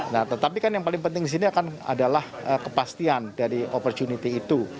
nah tetapi kan yang paling penting di sini adalah kepastian dari opportunity itu